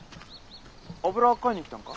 油買いに来たんか？